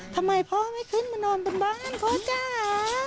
ทำไมพ่อไม่ขึ้นมานอนบนบ้านพ่อจ๋า